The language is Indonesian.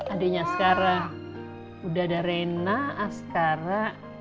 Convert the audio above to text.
adiknya sekarang udah ada rena askara